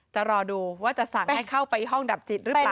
จะรอดูว่าจะสั่งให้เข้าไปห้องดับจิตหรือเปล่า